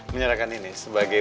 menyerahkan ini sebagai